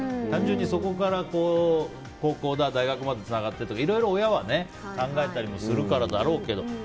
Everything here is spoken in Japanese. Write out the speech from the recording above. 単純にそこから高校から大学までつながっているとかいろいろ親は考えたりするからだろうけど。